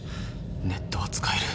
ネットは使える。